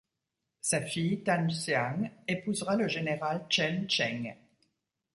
Sa fille, Tan Xiang, épousera le général Chen Cheng.